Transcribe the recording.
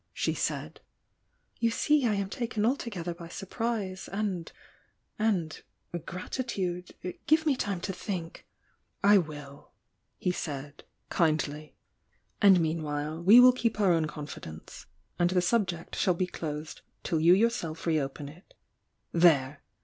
she said. "You see I am taken altogether by surprise — and — and gratitude — give me time to think!" "I will!" he said, kindly. "And meanwhile, we will keep our own confidence — and the subject shall be closed till you yourself reopen it. There!